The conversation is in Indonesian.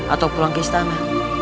atau pulang ke istana